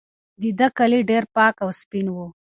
د ده کالي ډېر پاک او سپین وو.